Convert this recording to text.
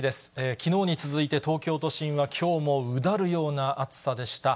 きのうに続いて、東京都心は、きょうもうだるような暑さでした。